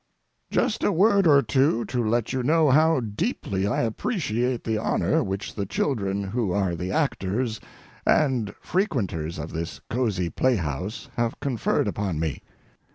Just a word or two to let you know how deeply I appreciate the honor which the children who are the actors and frequenters of this cozy playhouse have conferred upon me.